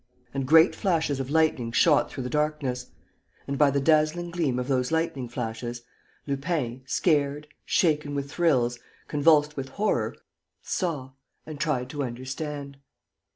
And great flashes of lightning shot through the darkness. And, by the dazzling gleam of those lightning flashes, Lupin, scared, shaken with thrills, convulsed with horror, saw and tried to understand.